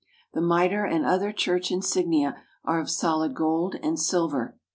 The mitre and other church insignia are of solid gold and silver.